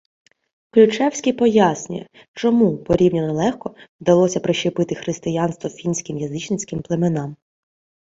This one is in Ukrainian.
Ключевський пояснює, чому порівняно легко вдалося прищепити християнство фінським язичницьким племенам: